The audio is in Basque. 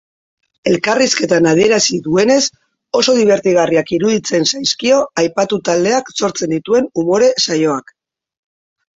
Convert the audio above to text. Elkarrizketan adierazi duenez, oso dibertigarriak iruditzen zaizkio aipatu taldeak sortzen dituen umore-saioak.